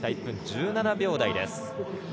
１分１７秒台です。